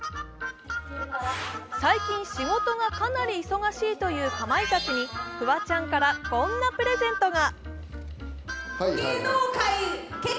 最近、仕事がかなり忙しいというかまいたちにフワちゃんからこんなプレゼントが。